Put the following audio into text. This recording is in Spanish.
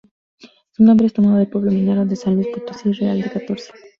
Su nombre es tomado del pueblo minero de San Luis Potosí, Real de Catorce.